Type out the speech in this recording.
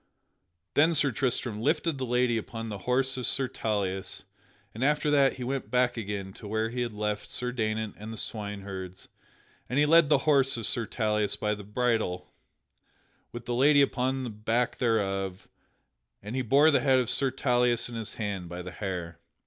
Then Sir Tristram lifted the lady upon the horse of Sir Tauleas, and after that he went back again to where he had left Sir Daynant and the swineherds; and he led the horse of Sir Tauleas by the bridle with the lady upon the back thereof and he bore the head of Sir Tauleas in his hand by the hair.